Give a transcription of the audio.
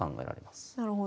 なるほど。